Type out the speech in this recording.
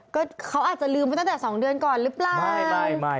ก็เขาอาจจะลืมไปตั้งแต่๒เดือนก่อนหรือเปล่า